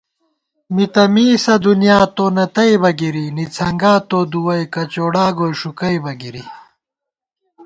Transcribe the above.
مِی تہ مِیسہ دُنیا، تو نہ تئیبہ بہ گِری ✿ نِڅَھنگا تو دُوَئی، کچوڑا گوئی ݭُکَئیبہ گِری